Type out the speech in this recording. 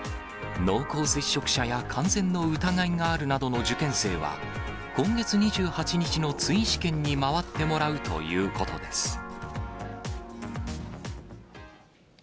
濃厚接触者や感染の疑いがあるなどの受験生は、今月２８日の追試験に回ってもらうということです。